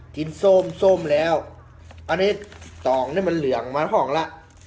ส้มส้มแล้วอันนี้ตองนี่มันเหลืองมาห้องละ